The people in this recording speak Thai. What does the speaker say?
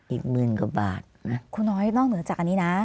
อีกหมื่นกว่าบาทนะครูน้อยนอกเหนือจากอันนี้นะ